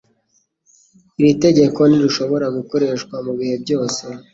Iri tegeko ntirishobora gukoreshwa mubihe byose.